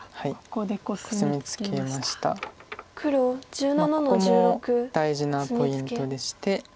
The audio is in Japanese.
ここも大事なポイントでして。